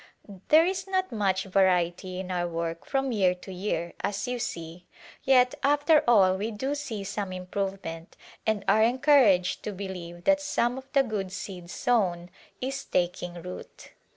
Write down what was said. There is not much variety in our work from year to year, as you see, yet after all we do see some im provement and are encouraged to believe that some of A Glimpse of Iiidia the good seed sown is taking root.